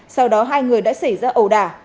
sau đó hai người đã xảy ra ổ đả